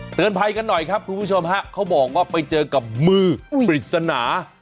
ภัยกันหน่อยครับคุณผู้ชมฮะเขาบอกว่าไปเจอกับมือปริศนา